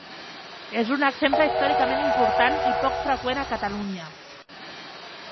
És un exemple històricament important i poc freqüent a Catalunya.